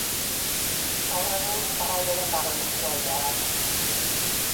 Gaur egun iparralderen dagoen eskualdea da.